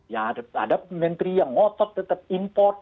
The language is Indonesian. ya ada menteri yang ngotot tetap import